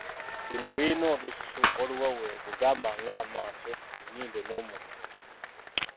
Bino birina olususu oluweweevu gamba ng’amaaso, ennyindo n’omumwa.